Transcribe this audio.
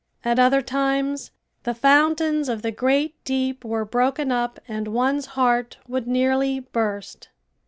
At other times the fountains of the great deep were broken up and one's heart would nearly burst.